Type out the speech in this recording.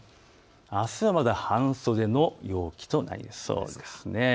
あすはまだ半袖の陽気となりそうです。